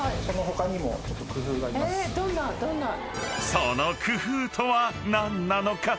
［その工夫とは何なのか？］